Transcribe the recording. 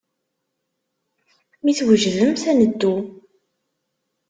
Mi twejdemt, ad neddu.